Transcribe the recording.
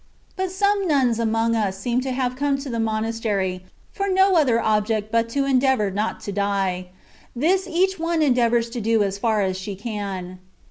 But some nuns amongst us seem to have come to the monastery, for no other object but to endeavour not to die ^ this each one endeavours to do as far as she can.